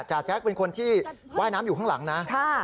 แจ๊กเป็นคนที่ว่ายน้ำอยู่ข้างหลังนะ